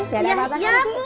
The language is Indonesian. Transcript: gak ada apa apa kan ki